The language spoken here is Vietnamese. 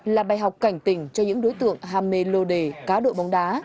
là bài học cảnh tình cho những đối tượng hàm mê lô đề cá đội bóng đá